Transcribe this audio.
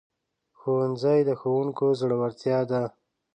ښوونځی د ښوونکو زړورتیا ده